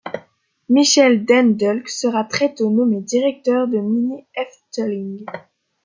Michel den Dulk sera très tôt nommé directeur de Mini Efteling.